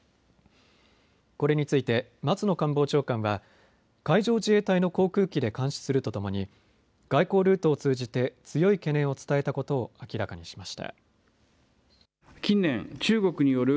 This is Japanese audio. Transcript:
これについて松野官房長官は、海上自衛隊の航空機で監視するとともに外交ルートを通じて強い懸念を伝えたことを明らかにしました。